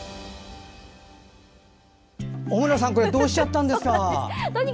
小村さんどうしちゃったんですか。